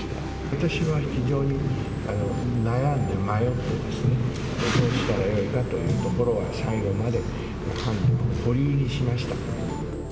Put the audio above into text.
私は非常に、悩んで迷ってですね、どうしたらいいのかというところは、最後まで、判断を保留にしました。